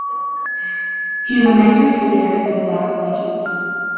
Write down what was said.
He is a major figure in the "Black Legend".